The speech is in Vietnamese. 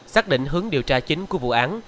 xác định hướng điều tra chính của vụ án